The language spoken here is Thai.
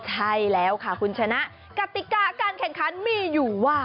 ใช่แล้วค่ะคุณชนะกติกาการแข่งขันมีอยู่ว่า